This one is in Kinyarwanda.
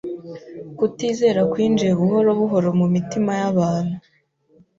Kutizera kwinjiye buhoro buhoro mu mitima y’abantu.